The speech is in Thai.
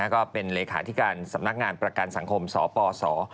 ก็เป็นเลขาธิการสำนักงานประกันสังคมสปส